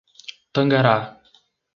Tangará